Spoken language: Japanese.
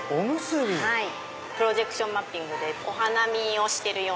プロジェクションマッピングでお花見をしてるような感覚で。